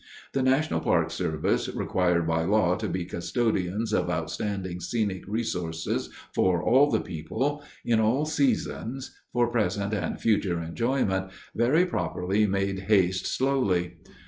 The National Park Service, required by law to be custodians of outstanding scenic resources for all the people, in all seasons, for present and future enjoyment, very properly 'made haste slowly.